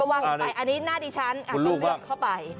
อันนี้หน้าดิฉันเลือกเข้าไป